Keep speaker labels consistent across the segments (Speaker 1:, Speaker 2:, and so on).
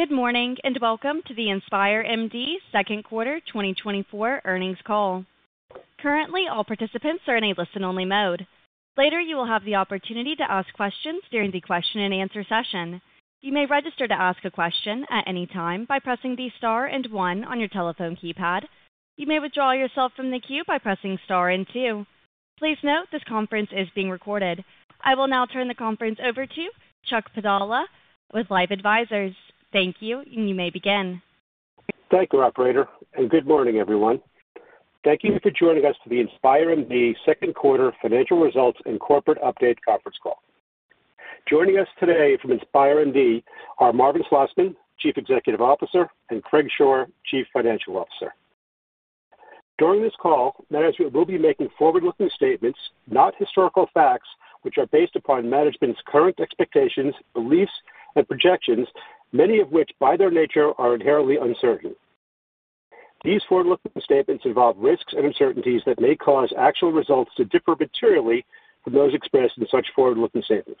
Speaker 1: Good morning, and welcome to the InspireMD second quarter 2024 earnings call. Currently, all participants are in a listen-only mode. Later, you will have the opportunity to ask questions during the question-and-answer session. You may register to ask a question at any time by pressing the star and one on your telephone keypad. You may withdraw yourself from the queue by pressing star and two. Please note, this conference is being recorded. I will now turn the conference over to Chuck Padala with LifeSci Advisors. Thank you, and you may begin.
Speaker 2: Thank you, operator, and good morning, everyone. Thank you for joining us to the InspireMD second quarter financial results and corporate update conference call. Joining us today from InspireMD are Marvin Slosman, Chief Executive Officer, and Craig Shore, Chief Financial Officer. During this call, management will be making forward-looking statements, not historical facts, which are based upon management's current expectations, beliefs, and projections, many of which, by their nature, are inherently uncertain. These forward-looking statements involve risks and uncertainties that may cause actual results to differ materially from those expressed in such forward-looking statements.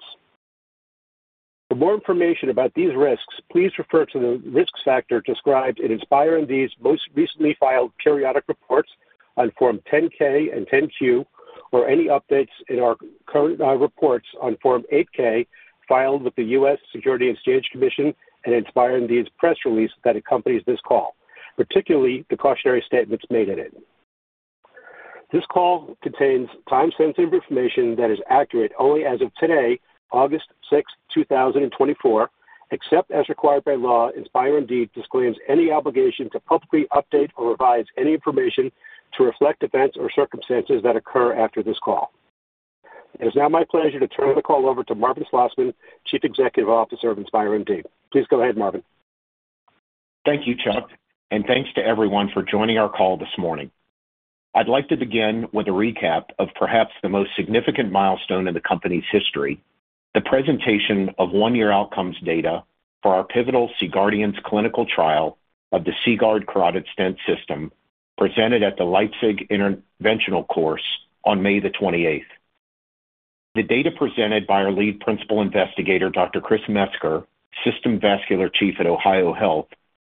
Speaker 2: For more information about these risks, please refer to the risk factors described in InspireMD's most recently filed periodic reports on Form 10-K and 10-Q, or any updates in our current reports on Form 8-K filed with the US Securities and Exchange Commission and InspireMD's press release that accompanies this call, particularly the cautionary statements made in it. This call contains time-sensitive information that is accurate only as of today, August 6, 2024. Except as required by law, InspireMD disclaims any obligation to publicly update or revise any information to reflect events or circumstances that occur after this call. It is now my pleasure to turn the call over to Marvin Slosman, Chief Executive Officer of InspireMD. Please go ahead, Marvin.
Speaker 3: Thank you, Chuck, and thanks to everyone for joining our call this morning. I'd like to begin with a recap of perhaps the most significant milestone in the company's history, the presentation of one year outcomes data for our pivotal C-GUARDIANS clinical trial of the CGuard carotid stent system, presented at the Leipzig Interventional Course on May 28th. The data presented by our lead principal investigator, Dr. Chris Metzger, System Vascular Chief at OhioHealth,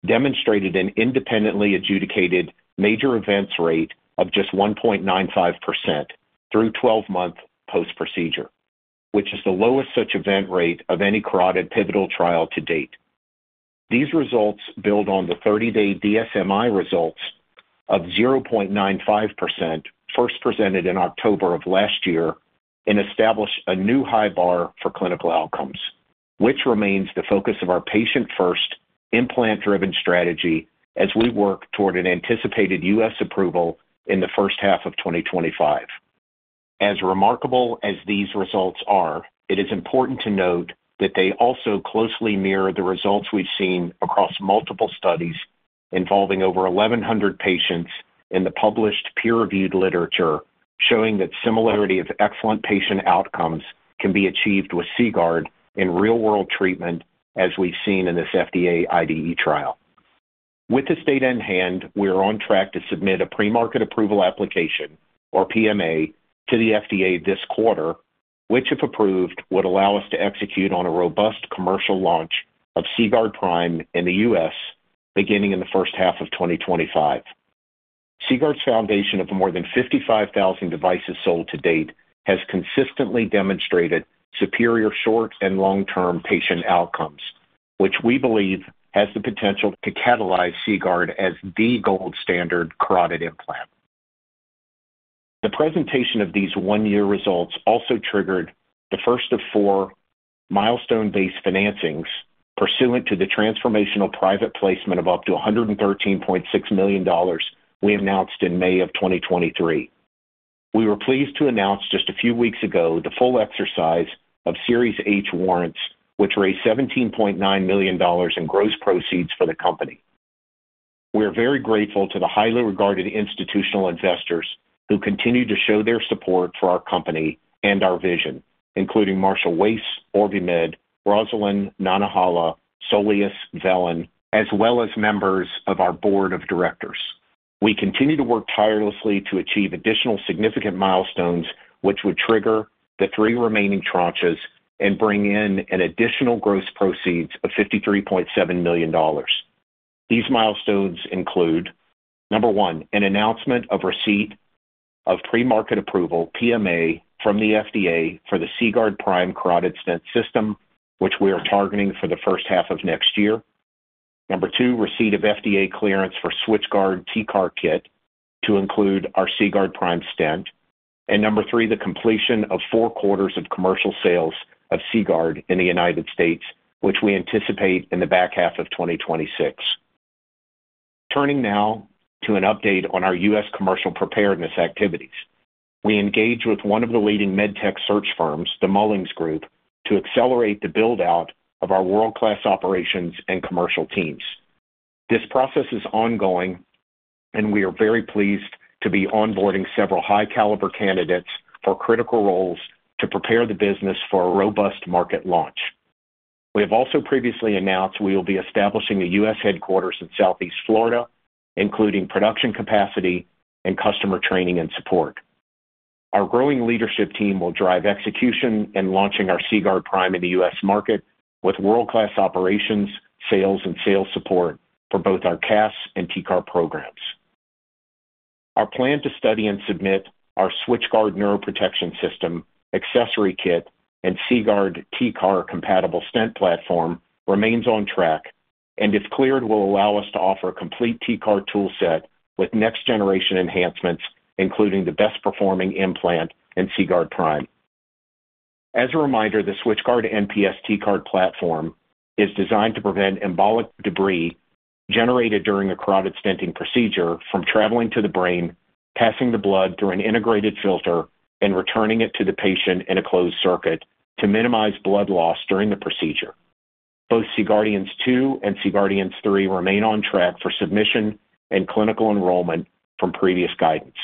Speaker 3: demonstrated an independently adjudicated major events rate of just 1.95% through 12-month post-procedure, which is the lowest such event rate of any carotid pivotal trial to date. These results build on the 30 day DSMI results of 0.95%, first presented in October of last year, and establish a new high bar for clinical outcomes, which remains the focus of our patient-first, implant-driven strategy as we work toward an anticipated U.S. approval in the first half of 2025. As remarkable as these results are, it is important to note that they also closely mirror the results we've seen across multiple studies involving over 1,100 patients in the published peer-reviewed literature, showing that similarity of excellent patient outcomes can be achieved with CGuard in real-world treatment as we've seen in this FDA IDE trial. With this data in hand, we are on track to submit a pre-market approval application, or PMA, to the FDA this quarter, which, if approved, would allow us to execute on a robust commercial launch of CGuard Prime in the U.S. beginning in the first half of 2025. CGuard's foundation of more than 55,000 devices sold to date has consistently demonstrated superior short- and long-term patient outcomes, which we believe has the potential to catalyze CGuard as the gold standard carotid implant. The presentation of these one-year results also triggered the first of four milestone-based financings pursuant to the transformational private placement of up to $113.6 million we announced in May of 2023. We were pleased to announce just a few weeks ago the full exercise of Series H warrants, which raised $17.9 million in gross proceeds for the company. We are very grateful to the highly regarded institutional investors who continue to show their support for our company and our vision, including Marshall Wace, OrbiMed, Rosalind, Nantahala, Soleus, Velan, as well as members of our board of directors. We continue to work tirelessly to achieve additional significant milestones, which would trigger the three remaining tranches and bring in an additional gross proceeds of $53.7 million. These milestones include, number one, an announcement of receipt of pre-market approval, PMA, from the FDA for the CGuard Prime carotid stent system, which we are targeting for the first half of next year. Number two, receipt of FDA clearance for SwitchGuard TCAR kit to include our CGuard Prime stent. Number three, the completion of four quarters of commercial sales of CGuard in the United States, which we anticipate in the back half of 2026. Turning now to an update on our U.S. commercial preparedness activities. We engaged with one of the leading med tech search firms, The Mullings Group, to accelerate the build-out of our world-class operations and commercial teams. This process is ongoing, and we are very pleased to be onboarding several high-caliber candidates for critical roles to prepare the business for a robust market launch. We have also previously announced we will be establishing a U.S. headquarters in Southeast Florida, including production capacity and customer training and support. Our growing leadership team will drive execution in launching our CGuard Prime in the U.S. market with world-class operations, sales and sales support for both our CAS and TCAR programs. Our plan to study and submit our SwitchGuard Neuroprotection System, Accessory Kit, and CGuard TCAR-compatible stent platform remains on track and, if cleared, will allow us to offer a complete TCAR tool set with next-generation enhancements, including the best-performing implant in CGuard Prime. As a reminder, the SwitchGuard NPS TCAR platform is designed to prevent embolic debris generated during a carotid stenting procedure from traveling to the brain, passing the blood through an integrated filter, and returning it to the patient in a closed circuit to minimize blood loss during the procedure. Both C-GUARDIANS II and C-GUARDIANS III remain on track for submission and clinical enrollment from previous guidance.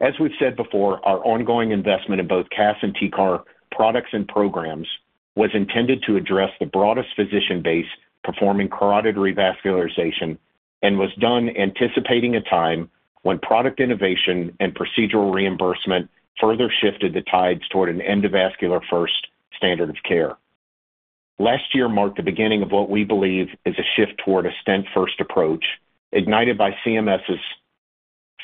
Speaker 3: As we've said before, our ongoing investment in both CAS and TCAR products and programs was intended to address the broadest physician base performing carotid revascularization and was done anticipating a time when product innovation and procedural reimbursement further shifted the tides toward an endovascular-first standard of care. Last year marked the beginning of what we believe is a shift toward a stent-first approach, ignited by CMS's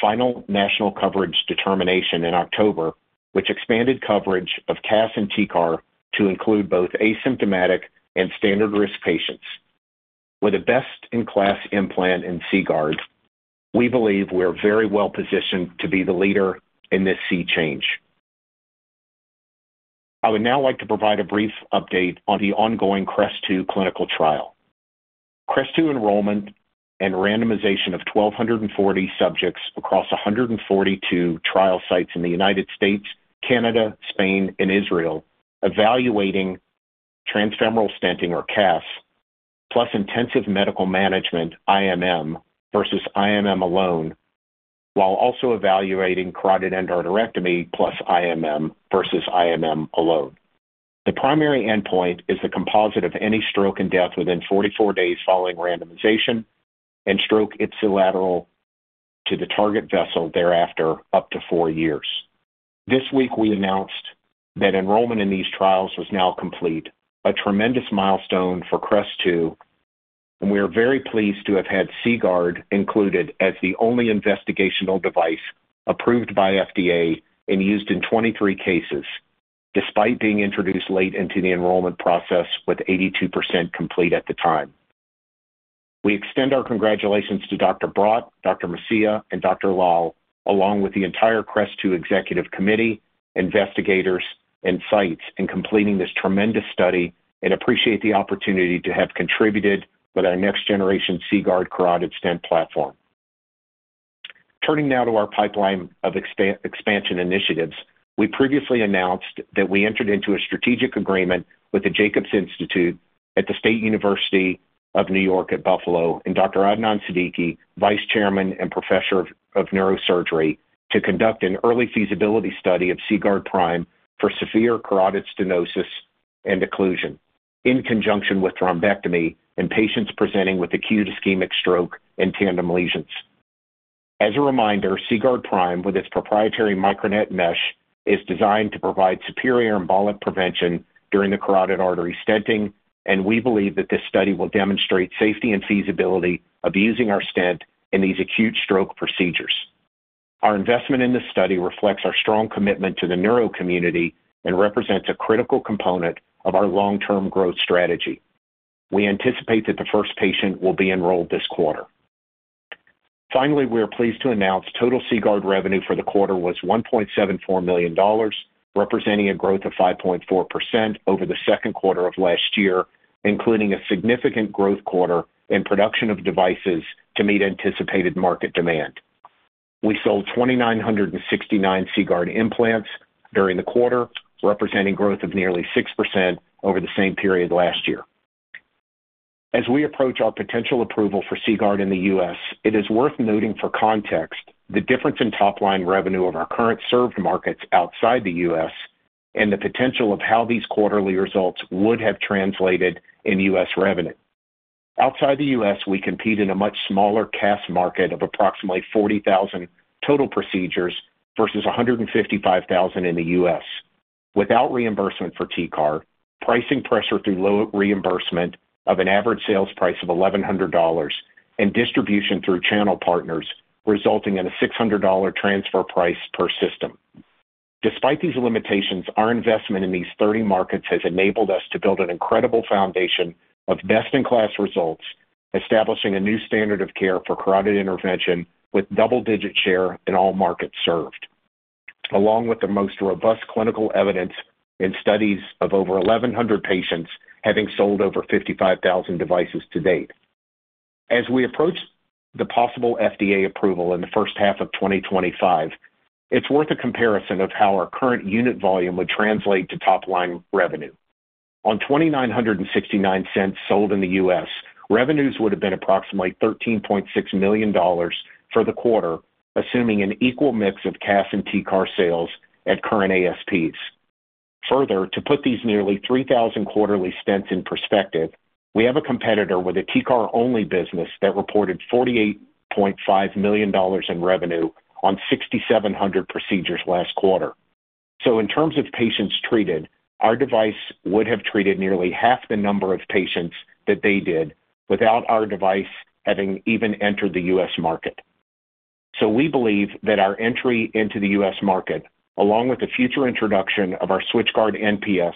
Speaker 3: final national coverage determination in October, which expanded coverage of CAS and TCAR to include both asymptomatic and standard-risk patients. With a best-in-class implant in CGuard, we believe we are very well positioned to be the leader in this C change. I would now like to provide a brief update on the ongoing CREST-2 clinical trial. CREST-2 enrollment and randomization of 1,240 subjects across 142 trial sites in the United States, Canada, Spain, and Israel, evaluating transfemoral stenting, or CAS, plus intensive medical management, IMM, versus IMM alone, while also evaluating carotid endarterectomy plus IMM versus IMM alone. The primary endpoint is the composite of any stroke and death within 44 days following randomization and stroke ipsilateral to the target vessel thereafter, up to four years. This week, we announced that enrollment in these trials was now complete, a tremendous milestone for CREST-2, and we are very pleased to have had CGuard included as the only investigational device approved by FDA and used in 23 cases, despite being introduced late into the enrollment process with 82% complete at the time. We extend our congratulations to Dr. Brott, Dr. Meschia, and Dr. Lal, along with the entire CREST-2 executive committee, investigators, and sites in completing this tremendous study, and appreciate the opportunity to have contributed with our next-generation CGuard carotid stent platform. Turning now to our pipeline of expansion initiatives. We previously announced that we entered into a strategic agreement with the Jacobs Institute at the State University of New York at Buffalo, and Dr. Adnan Siddiqui, Vice Chairman and Professor of Neurosurgery, to conduct an early feasibility study of CGuard Prime for severe carotid stenosis and occlusion in conjunction with thrombectomy in patients presenting with acute ischemic stroke and tandem lesions. As a reminder, CGuard Prime, with its proprietary MicroNet mesh, is designed to provide superior embolic prevention during the carotid artery stenting, and we believe that this study will demonstrate safety and feasibility of using our stent in these acute stroke procedures. Our investment in this study reflects our strong commitment to the neuro community and represents a critical component of our long-term growth strategy. We anticipate that the first patient will be enrolled this quarter. Finally, we are pleased to announce total CGuard revenue for the quarter was $1.74 million, representing a growth of 5.4% over the second quarter of last year, including a significant growth quarter in production of devices to meet anticipated market demand. We sold 2,969 CGuard implants during the quarter, representing growth of nearly 6% over the same period last year. As we approach our potential approval for CGuard in the U.S., it is worth noting, for context, the difference in top-line revenue of our current served markets outside the U.S. and the potential of how these quarterly results would have translated in U.S. revenue. Outside the U.S., we compete in a much smaller CAS market of approximately 40,000 total procedures versus 155,000 in the U.S. Without reimbursement for TCAR, pricing pressure through low reimbursement of an average sales price of $1,100 and distribution through channel partners, resulting in a $600 transfer price per system. Despite these limitations, our investment in these 30 markets has enabled us to build an incredible foundation of best-in-class results, establishing a new standard of care for carotid intervention with double-digit share in all markets served, along with the most robust clinical evidence in studies of over 1,100 patients, having sold over 55,000 devices to date. As we approach the possible FDA approval in the first half of 2025, it's worth a comparison of how our current unit volume would translate to top-line revenue. On 2,969 stents sold in the US, revenues would have been approximately $13.6 million for the quarter, assuming an equal mix of CAS and TCAR sales at current ASPs. Further, to put these nearly 3,000 quarterly stents in perspective, we have a competitor with a TCAR-only business that reported $48.5 million in revenue on 6,700 procedures last quarter. So in terms of patients treated, our device would have treated nearly half the number of patients that they did without our device having even entered the US market. So we believe that our entry into the US market, along with the future introduction of our SwitchGuard NPS,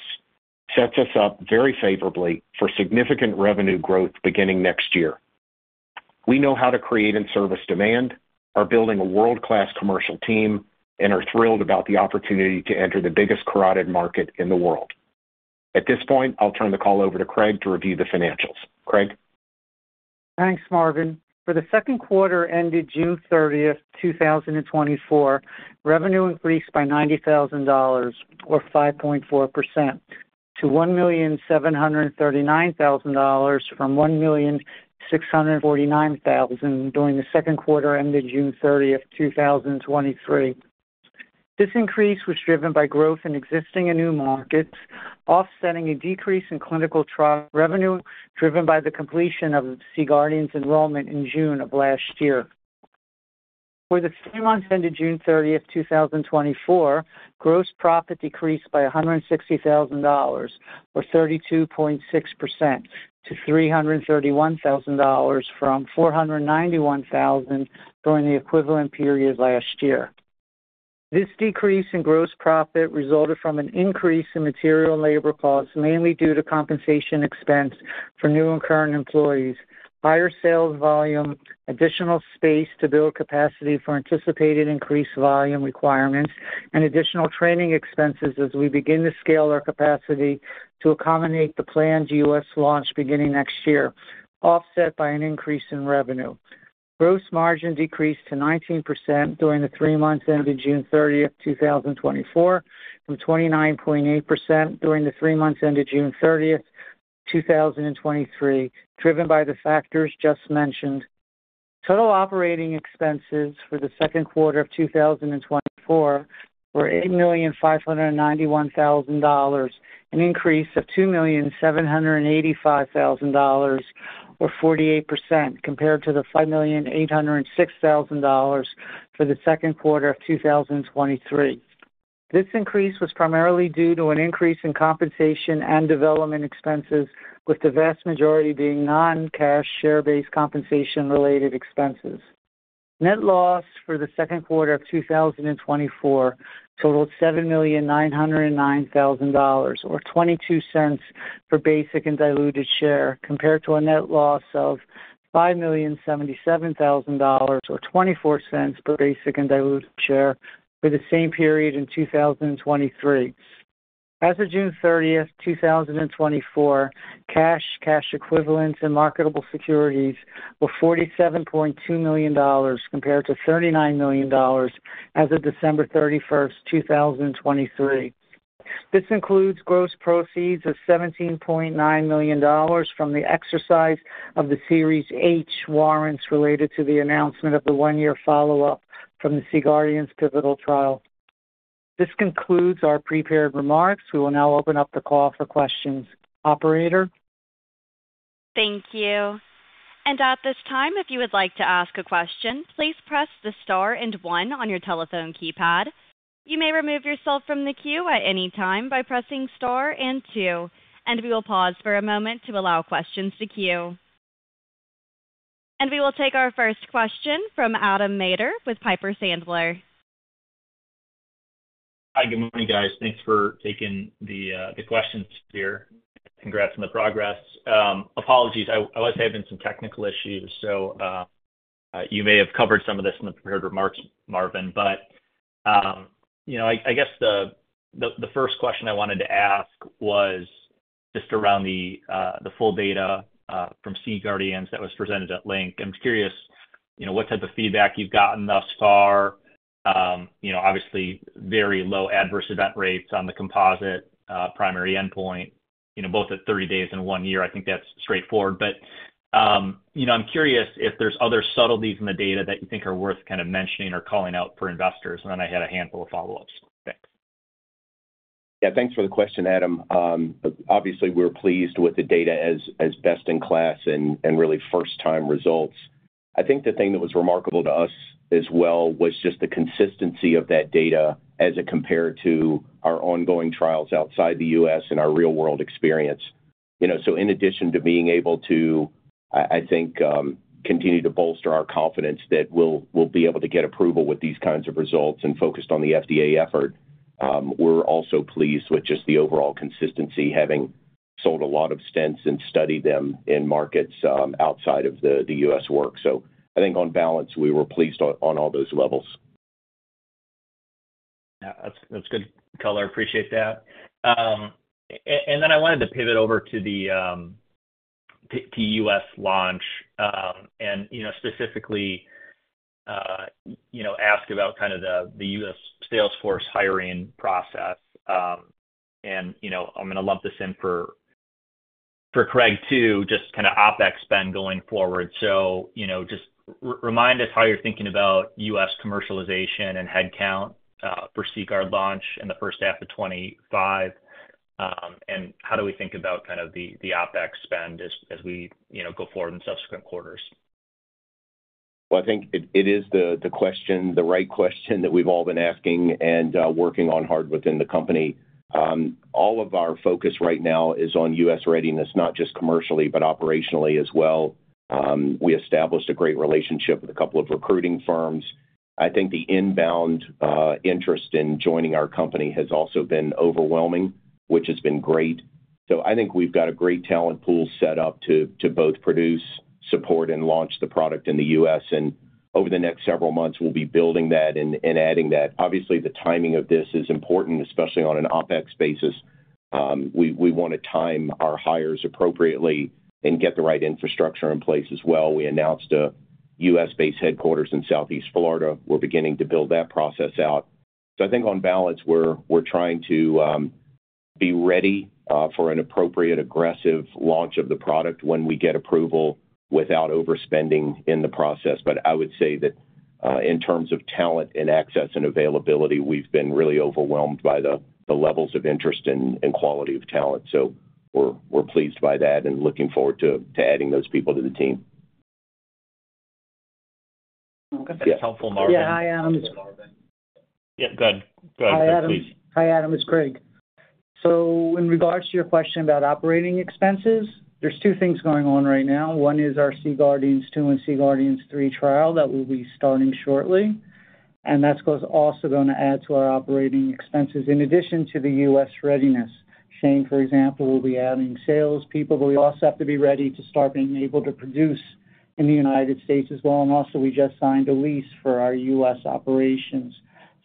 Speaker 3: sets us up very favorably for significant revenue growth beginning next year. We know how to create and service demand, are building a world-class commercial team, and are thrilled about the opportunity to enter the biggest carotid market in the world. At this point, I'll turn the call over to Craig to review the financials. Craig?
Speaker 4: Thanks, Marvin. For the second quarter ended June thirtieth, two thousand and twenty-four, revenue increased by $90,000, or 5.4%, to $1,739,000 from $1,649,000 during the second quarter ended June thirtieth, two thousand and twenty-three. This increase was driven by growth in existing and new markets, offsetting a decrease in clinical trial revenue, driven by the completion of the C-GUARDIANS enrollment in June of last year. For the three months ended June thirtieth, two thousand and twenty-four, gross profit decreased by $160,000, or 32.6% to $331,000 from $491,000 during the equivalent period last year. This decrease in gross profit resulted from an increase in material and labor costs, mainly due to compensation expense for new and current employees, higher sales volume, additional space to build capacity for anticipated increased volume requirements, and additional training expenses as we begin to scale our capacity to accommodate the planned U.S. launch beginning next year, offset by an increase in revenue. Gross margin decreased to 19% during the three months ended June 30, 2024, from 29.8% during the three months ended June 30, 2023, driven by the factors just mentioned. Total operating expenses for the second quarter of 2024 were $8,591,000, an increase of $2,785,000 or 48% compared to the $5,806,000 for the second quarter of 2023. This increase was primarily due to an increase in compensation and development expenses, with the vast majority being non-cash, share-based compensation-related expenses. Net loss for the second quarter of 2024 totaled $7,909,000, or $0.22 per basic and diluted share, compared to a net loss of $5,077,000, or $0.24 per basic and diluted share for the same period in 2023. As of June 30, 2024, cash, cash equivalents, and marketable securities were $47.2 million, compared to $39 million as of December 31, 2023. This includes gross proceeds of $17.9 million from the exercise of the Series H warrants related to the announcement of the one-year follow-up from the C-GUARDIANS pivotal trial. This concludes our prepared remarks. We will now open up the call for questions. Operator?
Speaker 1: Thank you. At this time, if you would like to ask a question, please press the star and one on your telephone keypad. You may remove yourself from the queue at any time by pressing star and two, and we will pause for a moment to allow questions to queue. We will take our first question from Adam Maeder with Piper Sandler.
Speaker 5: Hi, good morning, guys. Thanks for taking the questions here. Congrats on the progress. Apologies, I was having some technical issues, so you may have covered some of this in the prepared remarks, Marvin, but you know, I guess the first question I wanted to ask was just around the full data from C-GUARDIANS that was presented at LINC. I'm curious, you know, what type of feedback you've gotten thus far? You know, obviously very low adverse event rates on the composite primary endpoint, you know, both at 30 days and 1 year. I think that's straightforward. But you know, I'm curious if there's other subtleties in the data that you think are worth kind of mentioning or calling out for investors. And then I had a handful of follow-ups. Thanks.
Speaker 3: Yeah, thanks for the question, Adam. Obviously, we're pleased with the data as best in class and really first-time results. I think the thing that was remarkable to us as well was just the consistency of that data as it compared to our ongoing trials outside the U.S. and our real-world experience. You know, so in addition to being able to, I think, continue to bolster our confidence that we'll be able to get approval with these kinds of results and focused on the FDA effort, we're also pleased with just the overall consistency, having sold a lot of stents and studied them in markets outside of the U.S. work. So I think on balance, we were pleased on all those levels.
Speaker 5: Yeah, that's, that's good color. Appreciate that. And then I wanted to pivot over to the US launch, and, you know, specifically, you know, ask about kind of the US sales force hiring process. And, you know, I'm going to lump this in for... for Craig, too, just kind of OpEx spend going forward. So, you know, just remind us how you're thinking about US commercialization and headcount, for CGuard launch in the first half of 2025. And how do we think about kind of the OpEx spend as we, you know, go forward in subsequent quarters?
Speaker 3: Well, I think it is the right question that we've all been asking and working on hard within the company. All of our focus right now is on U.S. readiness, not just commercially, but operationally as well. We established a great relationship with a couple of recruiting firms. I think the inbound interest in joining our company has also been overwhelming, which has been great. So I think we've got a great talent pool set up to both produce, support, and launch the product in the U.S. And over the next several months, we'll be building that and adding that. Obviously, the timing of this is important, especially on an OpEx basis. We want to time our hires appropriately and get the right infrastructure in place as well. We announced a U.S.-based headquarters in Southeast Florida. We're beginning to build that process out. So I think on balance, we're trying to be ready for an appropriate, aggressive launch of the product when we get approval without overspending in the process. But I would say that in terms of talent and access and availability, we've been really overwhelmed by the levels of interest and quality of talent. So we're pleased by that and looking forward to adding those people to the team.
Speaker 5: That's helpful, Marvin.
Speaker 4: Yeah. Hi, Adam.
Speaker 5: Yeah, go ahead. Go ahead, please.
Speaker 4: Hi, Adam. It's Craig. So in regards to your question about operating expenses, there's two things going on right now. One is our C-GUARDIANS II and C-GUARDIANS III trial that we'll be starting shortly, and that's also going to add to our operating expenses in addition to the U.S. readiness. Shane, for example, will be adding salespeople, but we also have to be ready to start being able to produce in the United States as well. And also, we just signed a lease for our U.S. operations.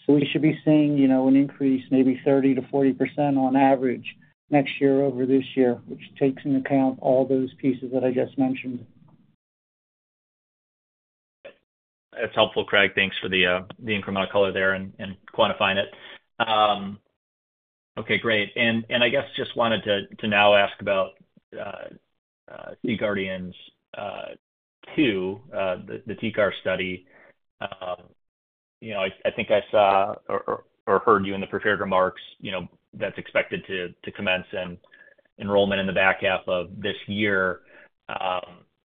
Speaker 4: So we should be seeing, you know, an increase, maybe 30%-40% on average next year over this year, which takes into account all those pieces that I just mentioned.
Speaker 5: That's helpful, Craig. Thanks for the incremental color there and quantifying it. Okay, great. And I guess just wanted to now ask about C-GUARDIANS, too, the TCAR study. You know, I think I saw or heard you in the prepared remarks, you know, that's expected to commence enrollment in the back half of this year.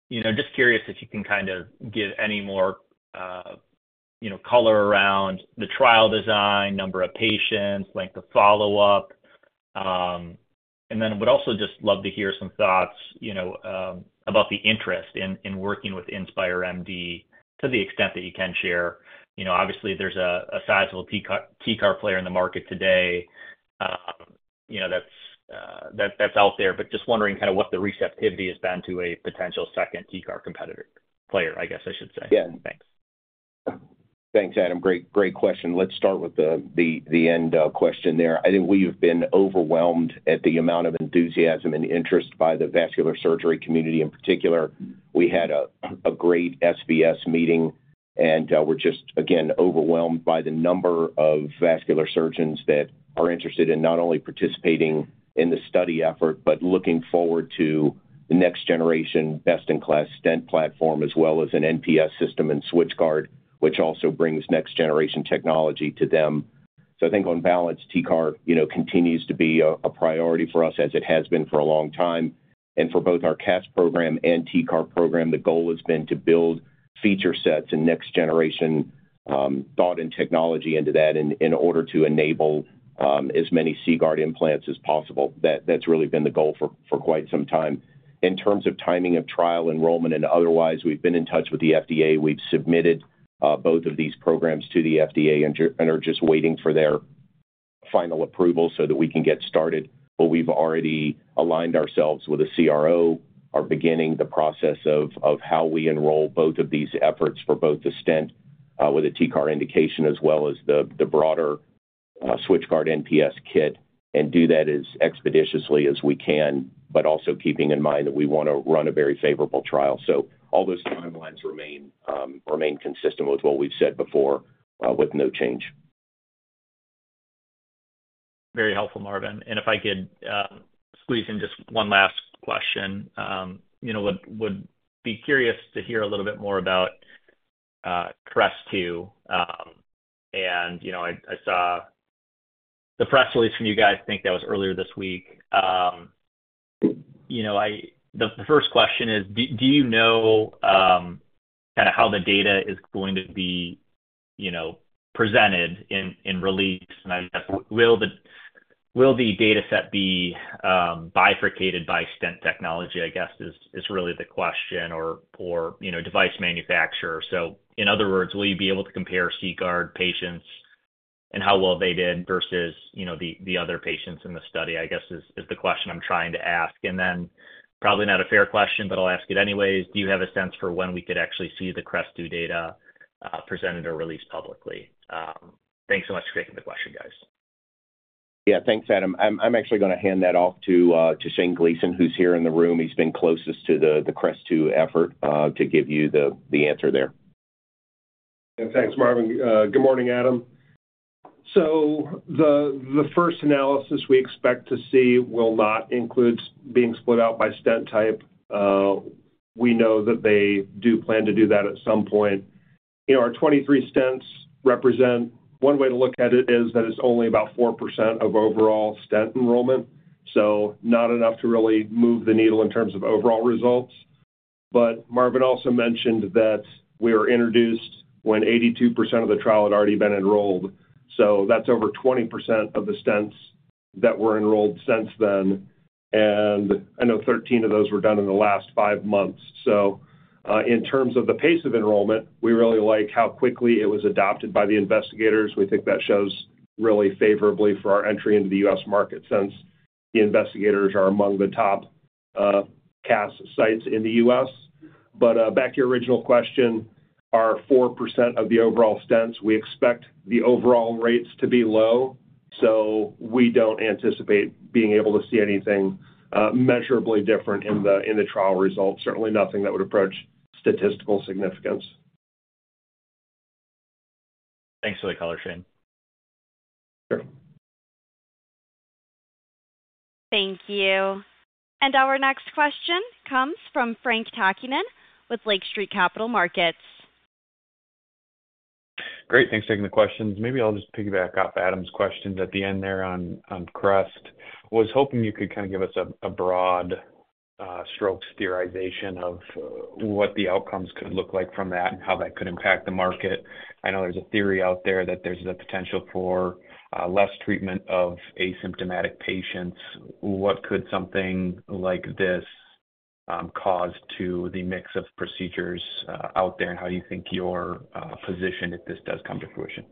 Speaker 5: You know, just curious if you can kind of give any more, you know, color around the trial design, number of patients, length of follow-up. And then would also just love to hear some thoughts, you know, about the interest in working with InspireMD to the extent that you can share. You know, obviously, there's a sizable TCAR player in the market today, you know, that's out there, but just wondering kind of what the receptivity has been to a potential second TCAR competitor, player, I guess I should say. Yeah. Thanks.
Speaker 3: Thanks, Adam. Great, great question. Let's start with the end question there. I think we've been overwhelmed at the amount of enthusiasm and interest by the vascular surgery community in particular. We had a great SVS meeting, and we're just again overwhelmed by the number of vascular surgeons that are interested in not only participating in the study effort, but looking forward to the next generation, best-in-class stent platform, as well as an NPS system and SwitchGuard, which also brings next-generation technology to them. So I think on balance, TCAR, you know, continues to be a priority for us, as it has been for a long time. And for both our CAS program and TCAR program, the goal has been to build feature sets and next-generation thought and technology into that in order to enable as many CGuard implants as possible. That's really been the goal for quite some time. In terms of timing of trial enrollment and otherwise, we've been in touch with the FDA. We've submitted both of these programs to the FDA and are just waiting for their final approval so that we can get started. But we've already aligned ourselves with a CRO, are beginning the process of how we enroll both of these efforts for both the stent with a TCAR indication, as well as the broader SwitchGuard NPS kit, and do that as expeditiously as we can, but also keeping in mind that we want to run a very favorable trial. So all those timelines remain consistent with what we've said before with no change.
Speaker 5: Very helpful, Marvin. And if I could squeeze in just one last question. You know, would be curious to hear a little bit more about CREST-2. And, you know, I saw the press release from you guys, I think that was earlier this week. You know, I... The first question is, do you know kind of how the data is going to be, you know, presented in release? And will the data set be bifurcated by stent technology, I guess, is really the question, or you know, device manufacturer. So in other words, will you be able to compare C-Guard patients and how well they did versus, you know, the other patients in the study? I guess is the question I'm trying to ask. Then, probably not a fair question, but I'll ask it anyways: Do you have a sense for when we could actually see the CREST-2 data presented or released publicly? Thanks so much for taking the question, guys.
Speaker 3: Yeah, thanks, Adam. I'm actually going to hand that off to Shane Gleason, who's here in the room. He's been closest to the CREST-2 effort to give you the answer there.
Speaker 6: And thanks, Marvin. Good morning, Adam. So the first analysis we expect to see will not include being split out by stent type. We know that they do plan to do that at some point. You know, our 23 stents represent... One way to look at it is that it's only about 4% of overall stent enrollment, so not enough to really move the needle in terms of overall results. But Marvin also mentioned that we were introduced when 82% of the trial had already been enrolled, so that's over 20% of the stents that were enrolled since then, and I know 13 of those were done in the last 5 months. So, in terms of the pace of enrollment, we really like how quickly it was adopted by the investigators. We think that shows really favorably for our entry into the U.S. market, since the investigators are among the top CAS sites in the U.S. But back to your original question, our 4% of the overall stents, we expect the overall rates to be low, so we don't anticipate being able to see anything measurably different in the trial results. Certainly nothing that would approach statistical significance.
Speaker 5: Thanks for the color, Shane.
Speaker 6: Sure.
Speaker 1: Thank you. And our next question comes from Frank Takkinen with Lake Street Capital Markets.
Speaker 7: Great. Thanks for taking the questions. Maybe I'll just piggyback off Adam's questions at the end there on Crest. Was hoping you could kind of give us a broad strokes theorization of what the outcomes could look like from that and how that could impact the market? I know there's a theory out there that there's a potential for less treatment of asymptomatic patients. What could something like this cause to the mix of procedures out there, and how do you think you're positioned if this does come to fruition?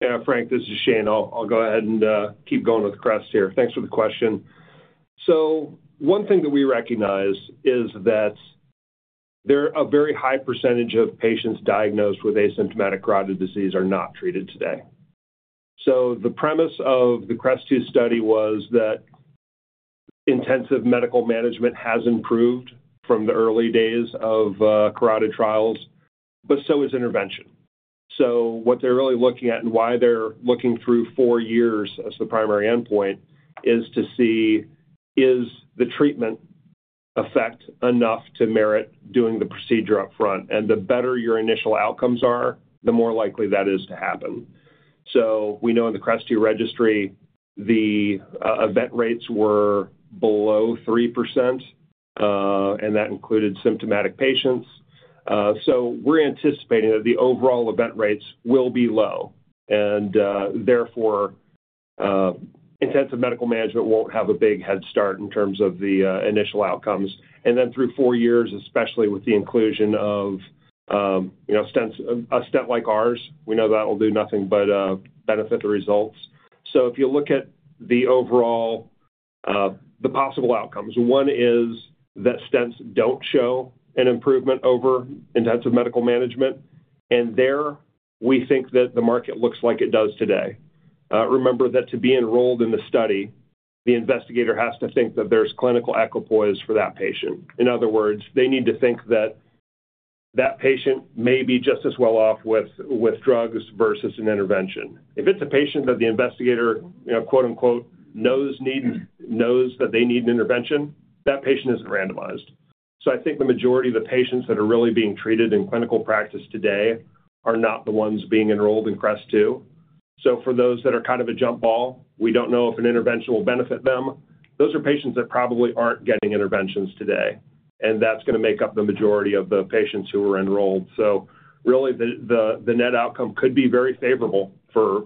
Speaker 6: Yeah, Frank, this is Shane. I'll go ahead and keep going with CREST-2 here. Thanks for the question. So one thing that we recognize is that there are a very high percentage of patients diagnosed with asymptomatic carotid disease are not treated today. So the premise of the CREST-2 study was that intensive medical management has improved from the early days of carotid trials, but so is intervention. So what they're really looking at and why they're looking through 4 years as the primary endpoint is to see if the treatment effect is enough to merit doing the procedure up front? And the better your initial outcomes are, the more likely that is to happen. So we know in the CREST-2 registry, the event rates were below 3%, and that included symptomatic patients. So we're anticipating that the overall event rates will be low, and therefore intensive medical management won't have a big head start in terms of the initial outcomes. And then through four years, especially with the inclusion of, you know, stents, a stent like ours, we know that will do nothing but benefit the results. So if you look at the overall, the possible outcomes, one is that stents don't show an improvement over intensive medical management, and there we think that the market looks like it does today. Remember that to be enrolled in the study, the investigator has to think that there's clinical equipoise for that patient. In other words, they need to think that that patient may be just as well off with drugs versus an intervention. If it's a patient that the investigator, you know, quote, unquote, "knows that they need an intervention," that patient isn't randomized. So I think the majority of the patients that are really being treated in clinical practice today are not the ones being enrolled in CREST-2. So for those that are kind of a jump ball, we don't know if an intervention will benefit them. Those are patients that probably aren't getting interventions today, and that's gonna make up the majority of the patients who are enrolled. So really, the net outcome could be very favorable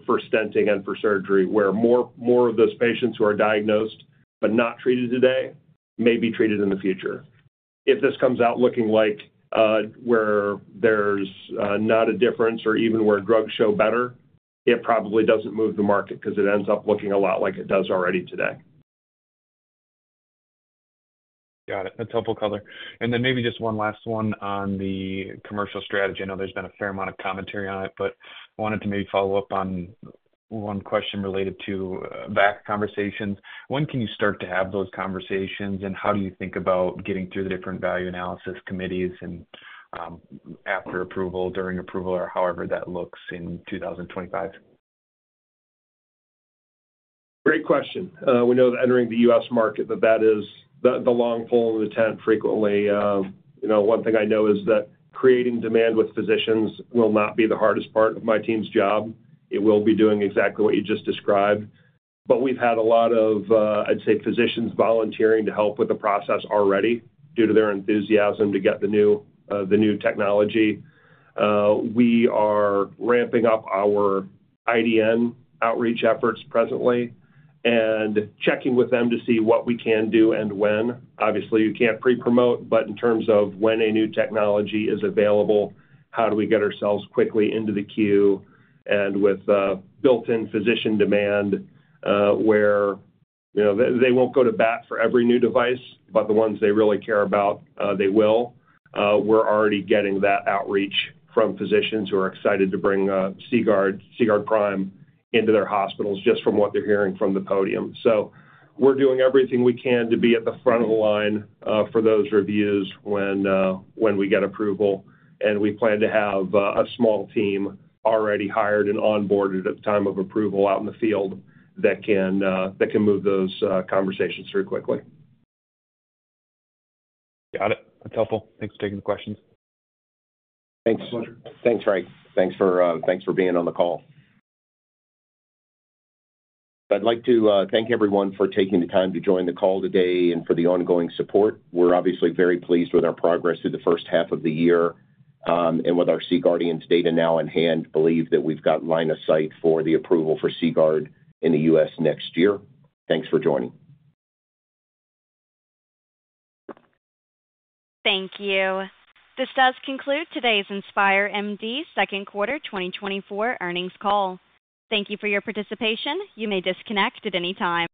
Speaker 6: for stenting and for surgery, where more of those patients who are diagnosed but not treated today may be treated in the future. If this comes out looking like where there's not a difference or even where drugs show better, it probably doesn't move the market 'cause it ends up looking a lot like it does already today.
Speaker 7: Got it. That's helpful color. And then maybe just one last one on the commercial strategy. I know there's been a fair amount of commentary on it, but I wanted to maybe follow up on one question related to VAC conversations. When can you start to have those conversations, and how do you think about getting through the different value analysis committees and after approval, during approval, or however that looks in 2025?
Speaker 6: Great question. We know that entering the U.S. market, that that is the, the long pole in the tent frequently. You know, one thing I know is that creating demand with physicians will not be the hardest part of my team's job. It will be doing exactly what you just described. But we've had a lot of, I'd say, physicians volunteering to help with the process already due to their enthusiasm to get the new, the new technology. We are ramping up our IDN outreach efforts presently and checking with them to see what we can do and when. Obviously, you can't pre-promote, but in terms of when a new technology is available, how do we get ourselves quickly into the queue and with built-in physician demand, where, you know, they won't go to bat for every new device, but the ones they really care about, they will. We're already getting that outreach from physicians who are excited to bring CGuard, CGuard Prime into their hospitals just from what they're hearing from the podium. So we're doing everything we can to be at the front of the line for those reviews when we get approval. And we plan to have a small team already hired and onboarded at the time of approval out in the field that can move those conversations through quickly.
Speaker 7: Got it. That's helpful. Thanks for taking the questions.
Speaker 6: Thanks.
Speaker 7: Pleasure.
Speaker 3: Thanks, Frank. Thanks for being on the call. I'd like to thank everyone for taking the time to join the call today and for the ongoing support. We're obviously very pleased with our progress through the first half of the year, and with our C-GUARDIANS data now in hand, believe that we've got line of sight for the approval for CGuard in the U.S. next year. Thanks for joining.
Speaker 1: Thank you. This does conclude today's InspireMD second quarter 2024 earnings call. Thank you for your participation. You may disconnect at any time.